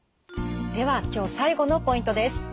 では今日最後のポイントです。